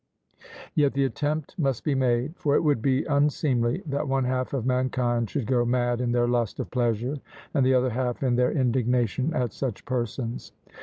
Yet the attempt must be made; for it would be unseemly that one half of mankind should go mad in their lust of pleasure, and the other half in their indignation at such persons.